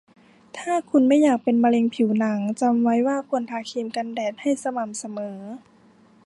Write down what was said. ถ้าคุณไม่อยากเป็นมะเร็งผิวหนัง จำไว้ว่าควรทาครีมกันแดดให้สม่ำเสมอ